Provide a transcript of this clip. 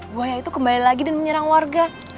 buaya itu kembali lagi dan menyerang warga